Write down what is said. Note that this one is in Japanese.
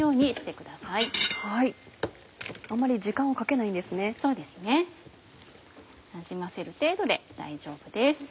なじませる程度で大丈夫です。